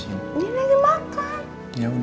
ya udah gak usah banyak ngomong